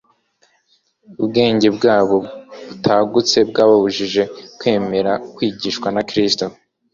Ubwenge bwabo butagutse bwababujije kwemera kwigishwa na Kristo.